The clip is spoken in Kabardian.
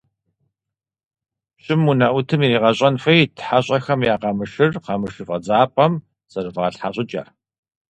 Пщым унэӀутым иригъэщӏэн хуейт хьэщӀэхэм я къамышыр къамышы фӀэдзапӀэм зэрыфӀалъхьэ щӀыкӀэр.